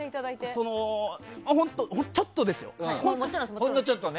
ほんのちょっとですよ。